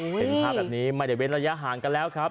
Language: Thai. เห็นภาพแบบนี้ไม่ได้เว้นระยะห่างกันแล้วครับ